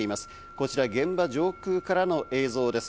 こちら現場上空からの映像です。